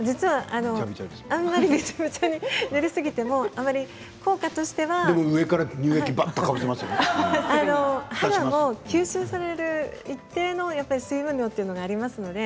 あまりびちゃびちゃに塗りすぎても効果としては肌も吸収される一定の水分量があります。